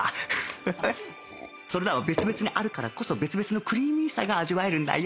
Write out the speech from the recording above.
フフッそれらは別々にあるからこそ別々のクリーミーさが味わえるんだよ！